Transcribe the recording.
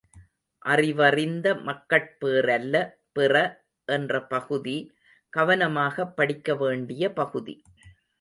அறிவறிந்த மக்கட் பேறல்ல பிற என்ற பகுதி, கவனமாகப் படிக்க வேண்டிய பகுதி.